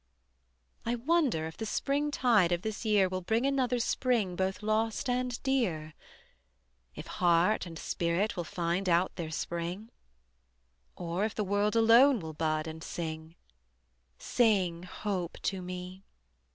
I wonder if the spring tide of this year Will bring another Spring both lost and dear; If heart and spirit will find out their Spring, Or if the world alone will bud and sing: Sing, hope, to me!